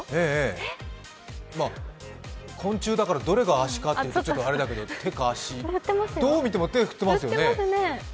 昆虫だから、どれが足かというのはあれですけど、手か足どうみても手、振ってますよね。